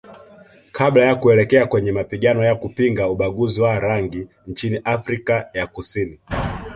Kabla ya kuelekea kwenye mapigano ya kupinga ubaguzi wa rangi nchini Afrika ya Kusini